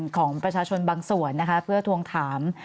ของประชาชนบางส่วนนะคะเพื่อทวงถาม